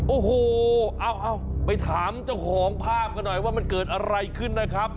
โอ้โหเอาไปถามเจ้าของภาพกันหน่อยว่ามันเกิดอะไรขึ้นนะครับ